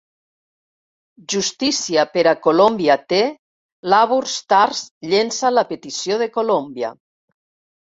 Justícia per a Colombia té "LabourStart llença la petició de Colombia".